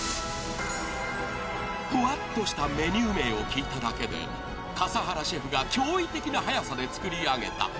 ［ふわっとしたメニュー名を聞いただけで笠原シェフが驚異的な早さで作り上げた前菜５品］